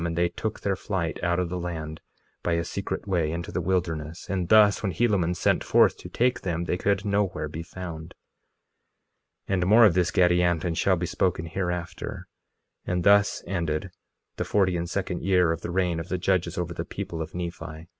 And they took their flight out of the land, by a secret way, into the wilderness; and thus when Helaman sent forth to take them they could nowhere be found. 2:12 And more of this Gadianton shall be spoken hereafter. And thus ended the forty and second year of the reign of the judges over the people of Nephi.